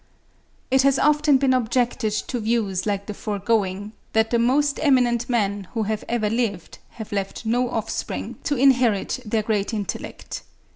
It has often been objected to views like the foregoing, that the most eminent men who have ever lived have left no offspring to inherit their great intellect.